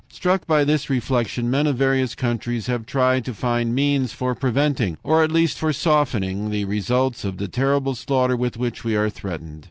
"Struck by this reflection, men of various countries have tried to find means for preventing, or at least for softening, the results of the terrible slaughter with which we are threatened.